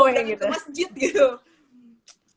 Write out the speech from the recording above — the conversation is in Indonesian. buat nyetrika masjid gitu